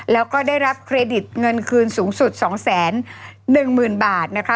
แล้วก็ได้รับเครดิตเงินคืนสูงสุด๒๑๐๐๐บาทนะคะ